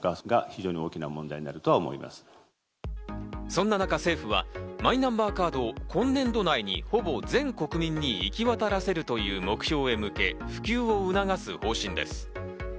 そんな中、政府はマイナンバーカードを今年度内にほぼ全国民に行き渡らせるという目標へ向け、普及を促す方針です。